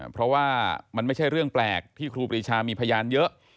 เพราะว่ามันไม่ใช่เรื่องแปลกที่ครูปรีชามีพยานเยอะ